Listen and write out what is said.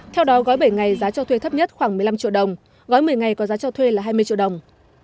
theo đó gói bảy ngày giá cho thuê thấp nhất khoảng một mươi năm triệu đồng gói một mươi ngày có giá cho thuê là hai mươi triệu đồng